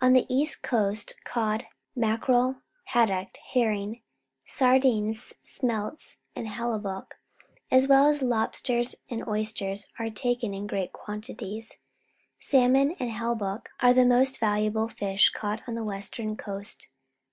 On the east coast, cod, mackerel, haddock, herring, sardines, smelts, and halibut, as well 74 PUBLIC SCHOOL GEOGRAPHY as lobsters and oysters, are taken in great quantities. Salmon and halibut are the most valuable fish caught on the western coast.